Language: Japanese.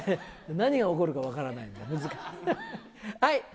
何が起こるか分からないので。